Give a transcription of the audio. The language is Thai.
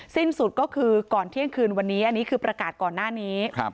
สิ้นสุดก็คือก่อนเที่ยงคืนวันนี้อันนี้คือประกาศก่อนหน้านี้